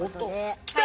きた！